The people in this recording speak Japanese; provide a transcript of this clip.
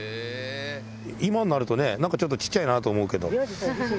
今になるとね、なんかちょっとちっちゃいなと思うけど。。